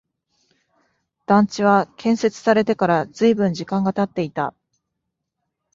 団地は建設されてから随分時間が経っていた